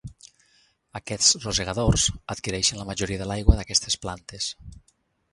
Aquests rosegadors adquireixen la majoria de l'aigua d'aquestes plantes.